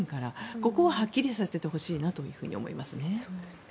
ここははっきりさせてほしいと思います。